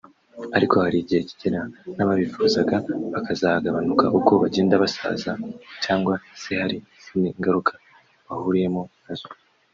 ariko hari igihe kigera n’ababifuzaga bakagabanuka uko bagenda basaza cyangwa se hari izindi ngaruka bahuriyemo na zo